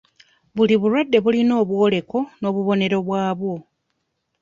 Buli bulwadde bulina obwoleko n'obubonero bwabwo.